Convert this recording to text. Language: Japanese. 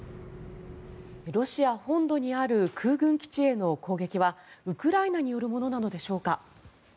ロシア本土にある空軍基地への攻撃はウクライナによるものなのでしょうか。